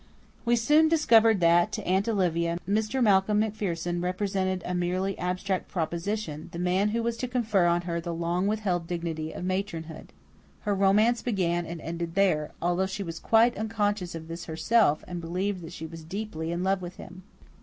We soon discovered that, to Aunt Olivia, Mr. Malcolm MacPherson represented a merely abstract proposition the man who was to confer on her the long withheld dignity of matronhood. Her romance began and ended there, although she was quite unconscious of this herself, and believed that she was deeply in love with him.